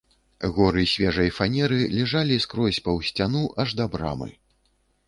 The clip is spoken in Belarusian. Горы свежай фанеры ляжалі скрозь паўз сцяну аж да брамы.